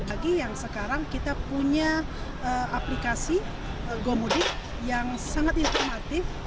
bagi yang sekarang kita punya aplikasi gomudik yang sangat informatif